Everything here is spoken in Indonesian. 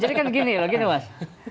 jadi kan gini loh gini was